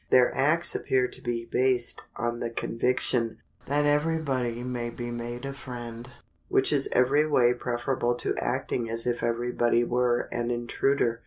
Their acts appear to be based on the conviction that every body may be made a friend, which is every way preferable to acting as if every body were an intruder.